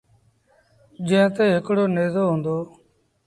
جݩهݩ تي هڪڙو نيزو هُݩدو۔